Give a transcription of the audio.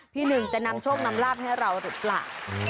หนึ่งจะนำโชคนำลาบให้เราหรือเปล่า